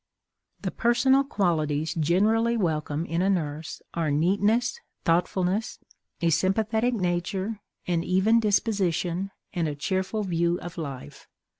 The personal qualities generally welcome in a nurse are neatness, thoughtfulness, a sympathetic nature, an even disposition, and a cheerful view of life.